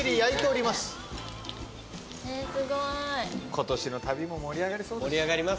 今年の旅も盛り上がりそうです。